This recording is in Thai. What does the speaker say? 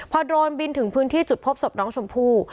พอโดรนบินถึงพื้นที่จุดพบศพน้องชมพู่